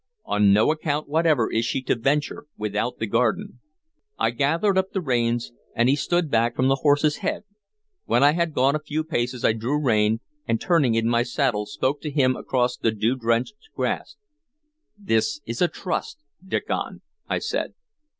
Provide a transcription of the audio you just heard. On no account whatever is she to venture without the garden." I gathered up the reins, and he stood back from the horse's head. When I had gone a few paces I drew rein, and, turning in my saddle, spoke to him across the dew drenched grass. "This is a trust, Diccon," I said.